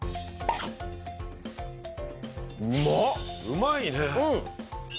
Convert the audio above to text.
うまいね。